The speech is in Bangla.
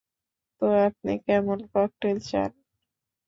তো আপনি কেমন ককটেল চান?